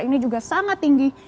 ini juga sangat tinggi